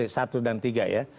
satu dan tiga ya